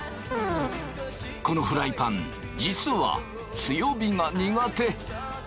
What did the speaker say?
このフライパン実は強火が苦手。